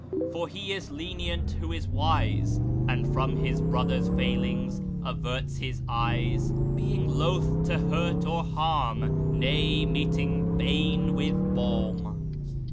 For he is lenient who is wise, and from his brother'' s failings averts his eyes, being loath to hurt or harm, nay, meeting bane with halm.